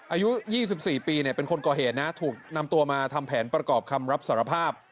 อายุ๒๔ปีเป็นคนก่อเหตุนะถูกนำตัวมาทำแผนประกอบคำรับสารภาพ